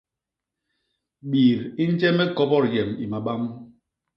Bit i nje me kobot yem i mabam.